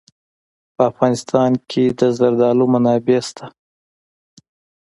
په افغانستان کې د زردالو منابع شته.